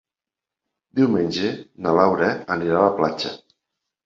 Diumenge na Laura anirà a la platja.